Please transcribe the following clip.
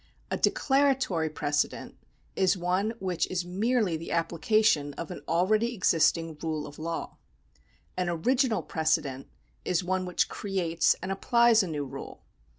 A declaratory precedent is one which is merely the application of an already existing rule of law ; an original precedent is one which creates and applies a new rule.